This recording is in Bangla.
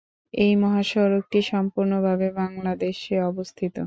এই মহাসড়কটি সম্পূর্ণ ভাবে বাংলাদেশে অবস্থিত।